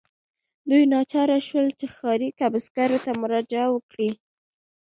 دوی ناچاره شول چې ښاري کسبګرو ته مراجعه وکړي.